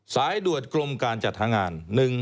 สายดวชกลมการจัดหางาน๑๖๙๔